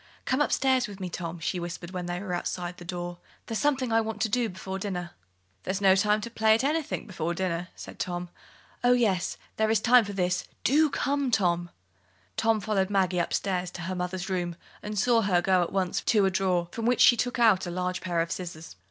"Come upstairs with me, Tom," she whispered, when they were outside the door. "There's something I want to do before dinner." "There's no time to play at anything before dinner," said Tom. "Oh, yes, there is time for this do come, Tom." Tom followed Maggie upstairs into her mother's room, and saw her go at once to a drawer from which she took out a large pair of scissors.